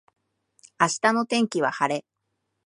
明日の天気は晴れ